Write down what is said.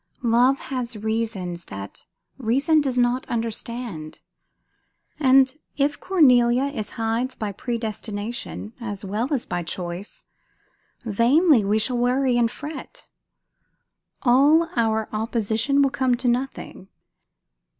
Love has reasons that reason does not understand; and if Cornelia is Hyde's by predestination, as well as by choice, vainly we shall worry and fret; all our opposition will come to nothing.